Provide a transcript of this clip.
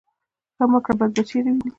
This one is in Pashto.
ـ ښه مه کړه بد به چېرې وينې.